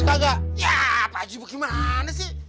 gak gak ya pak haji bagaimana sih